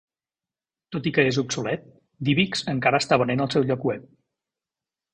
Tot i que és obsolet, DivX encara està venent al seu lloc web.